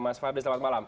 mas fadli selamat malam